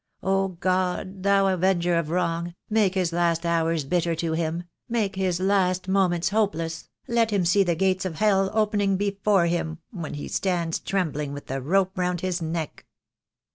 Oh, God, thou Avenger of wrong, make his last hours bitter to him, make his last moments hopeless, let him see the gates of hell opening before him when he stands trembling with the rope round his neck."